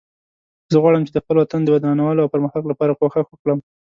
زه غواړم چې د خپل وطن د ودانولو او پرمختګ لپاره کوښښ وکړم